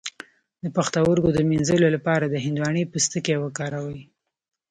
د پښتورګو د مینځلو لپاره د هندواڼې پوستکی وکاروئ